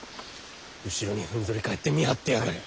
後ろにふんぞり返って見張ってやがる。